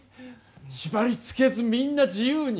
縛り付けずみんな自由に